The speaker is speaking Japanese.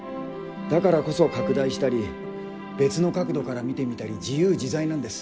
だからこそ拡大したり別の角度から見てみたり自由自在なんです。